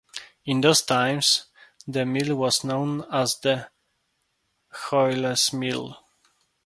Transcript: In those times the mill was known as the "Hoyles's Mill".